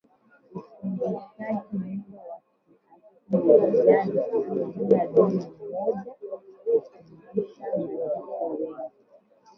Utungishaji mimba wa kiasili yaani kutumia dume mmoja kutungisha majike wengi